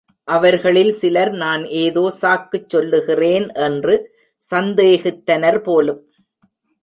அவர்களில் சிலர் நான் ஏதோ சாக்குச் சொல்லுகிறேன் என்று சந்தேகித்தனர் போலும்.